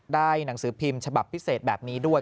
หนังสือพิมพ์ฉบับพิเศษแบบนี้ด้วย